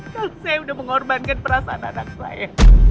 kalau saya udah mengorbankan perasaan anak saya